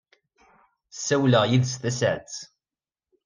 Ssawleɣ yid-s tasaɛet.